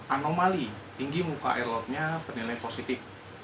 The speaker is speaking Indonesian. anomali tinggi muka air lautnya penilai positif